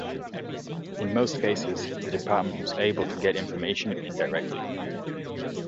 In most cases the department was able to get information indirectly.